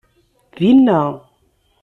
Dinna.